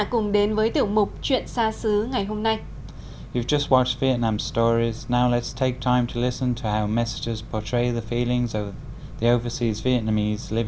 cùng đến với tiểu mục chuyện xa xứ